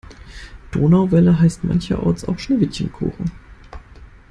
Donauwelle heißt mancherorts auch Schneewittchenkuchen.